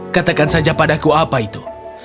katakan saja padaku apa itu